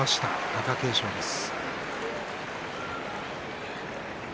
貴景勝です。